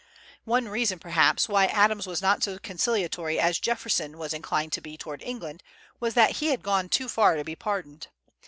One reason, perhaps, why Adams was not so conciliatory as Jefferson was inclined to be toward England was that he had gone too far to be pardoned.